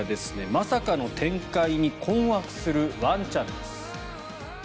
まさかの展開に困惑するワンちゃんです。